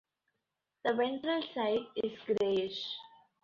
The ventral side is greyish.